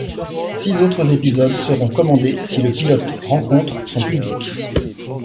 Six autres épisodes seront commandés si le pilote rencontre son public.